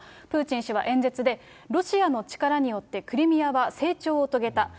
プーチン氏は演説で、ロシアの力によってクリミアは成長を遂げた。